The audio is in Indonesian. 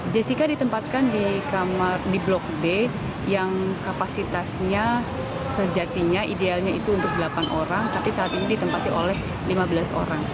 jessica ditempatkan di kamar di blok b yang kapasitasnya sejatinya idealnya itu untuk delapan orang tapi saat ini ditempati oleh lima belas orang